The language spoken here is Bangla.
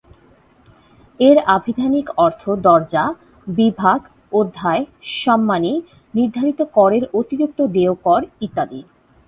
এর আভিধানিক অর্থ দরজা, বিভাগ, অধ্যায়, সম্মানী, নির্ধারিত করের অতিরিক্ত দেয় কর ইত্যাদি।